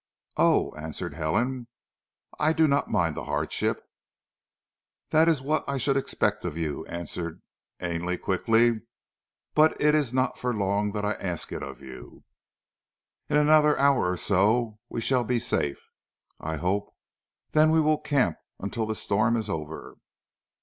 "Oh!" answered Helen. "I do not mind the hardship." "That is what I should expect of you," answered Ainley quickly, "but it is not for long that I ask it of you. In another hour or so, we shall be safe, I hope, then we will camp until the storm is over."